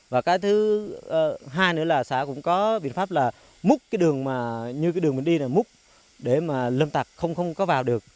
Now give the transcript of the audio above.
và cái thứ hai nữa là xã cũng có biện pháp là múc cái đường mà như cái đường mình đi này múc để mà lâm tặc không có vào được